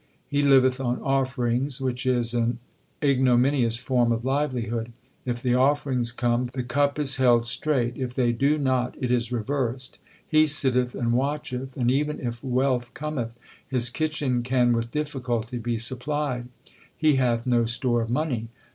He liveth on offerings, which is an ignominious form of livelihood. If the offerings come, the cup is held straight ; if they do not it is reversed. He sitteth and watcheth, and even if wealth cometh, his kitchen can with difficulty be supplied. He hath no store of money.